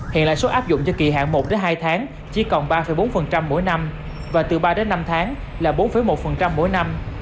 hiện lãi suất áp dụng cho kỳ hạn một hai tháng chỉ còn ba bốn mỗi năm và từ ba đến năm tháng là bốn một mỗi năm